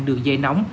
đường dây nóng